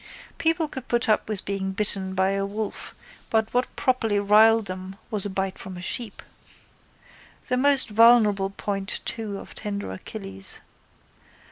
People could put up with being bitten by a wolf but what properly riled them was a bite from a sheep. The most vulnerable point too of tender Achilles.